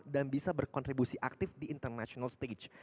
dan bisa berkontribusi aktif di international stage